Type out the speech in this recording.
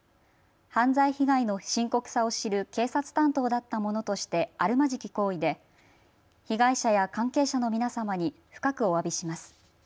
犯罪被害の深刻さを知る警察担当だった者としてあるまじき行為で被害者や関係者の皆様に深くおわびします。